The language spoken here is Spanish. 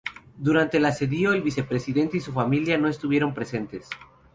Durante el asedio, el vicepresidente y su familia no estuvieron presentes.